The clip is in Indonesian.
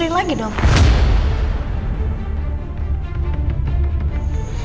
jadi mereka juga sudah berusaha